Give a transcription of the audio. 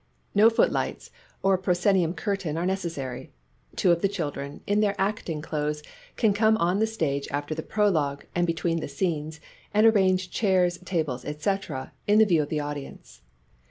No footlights or proscenium curtain are necessary ; two of the children, in their acting clothes, can come on the stage after the Prologue and between the scenes and arrange chairs, tables, &c., in the view of the audience.